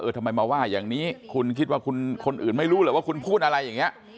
ทำไมมาว่าอย่างนี้คุณคิดว่าคนอื่นไม่รู้เหรอว่าคุณพูดอะไรอย่างนี้